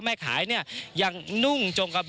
ก็จะพาไปตลาดแห่งหนึ่งครับ